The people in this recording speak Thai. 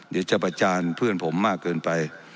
เดี๋ยวจะประจานเพื่อนผมมากเกินไป